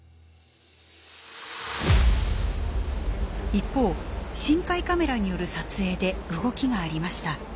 一方深海カメラによる撮影で動きがありました。